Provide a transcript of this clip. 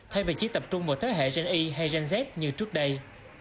thay vì chỉ tập trung vào thế hệ gen y hay gen z như trước đây